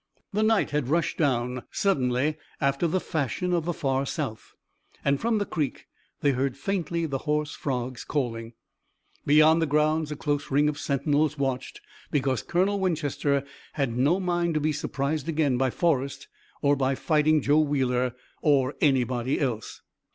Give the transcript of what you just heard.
The night had rushed down suddenly after the fashion of the far South, and from the creek they heard faintly the hoarse frogs calling. Beyond the grounds a close ring of sentinels watched, because Colonel Winchester had no mind to be surprised again by Forrest or by Fighting Joe Wheeler or anybody else.